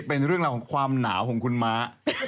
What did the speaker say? เป็นเรื่องราวของความหนาวของคุณม้า